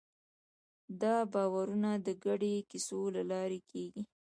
دا باورونه د ګډو کیسو له لارې خپرېږي.